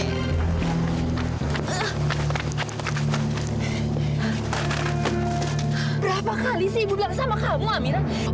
berapa kali sih ibu bilang sama kamu amira